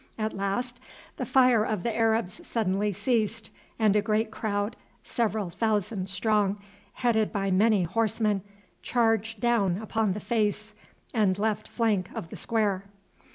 At last the fire of the Arabs suddenly ceased, and a great crowd, several thousand strong, headed by many horsemen, charged down upon the face and left flank of the square.